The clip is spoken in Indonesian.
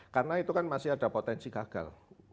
karena itu kan masih ada potensi gagal